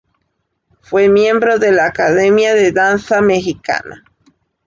Fue miembro de la Academia de Danza Mexicana.